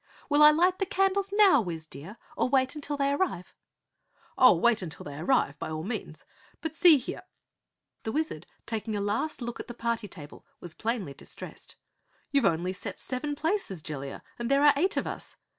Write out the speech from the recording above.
Will I light the candles now, Wiz dear, or wait until they arrive?" "Oh, wait till they arrive, by all means. But see here," the Wizard taking a last look at the party table was plainly distressed. "You've only seven places, Jellia, and there are eight of us.